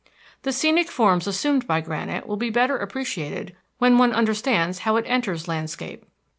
The scenic forms assumed by granite will be better appreciated when one understands how it enters landscape.